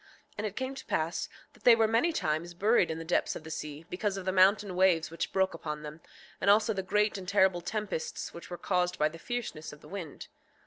6:6 And it came to pass that they were many times buried in the depths of the sea, because of the mountain waves which broke upon them, and also the great and terrible tempests which were caused by the fierceness of the wind.